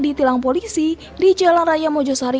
ditilang polisi di jalan raya mojosari